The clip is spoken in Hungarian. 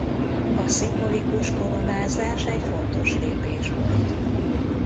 A szimbolikus koronázás egy fontos lépés volt.